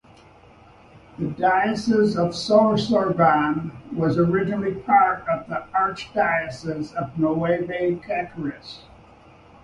The Diocese of Sorsogon was originally part of the Archdiocese of Nueva Caceres.